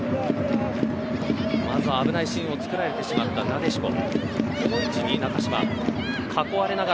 まずは危ないシーンを作られてしまったなでしこ。